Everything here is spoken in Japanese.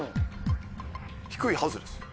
低いはずです。